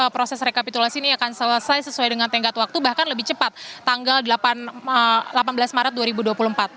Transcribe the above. proses rekapitulasi ini akan selesai sesuai dengan tenggat waktu bahkan lebih cepat tanggal delapan belas maret dua ribu dua puluh empat